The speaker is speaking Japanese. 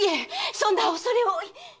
そんなおそれ多い！